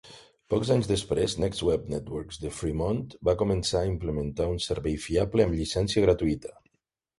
Pocs anys després, NextWeb Networks de Fremont va començar a implementar un servei fiable amb llicència gratuïta.